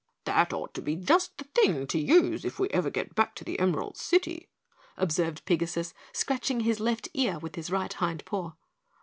"That ought to be just the thing to use if we ever get back to the Emerald City," observed Pigasus, scratching his left ear with his right hind paw.